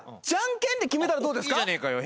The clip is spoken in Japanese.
いいじゃねえかよ。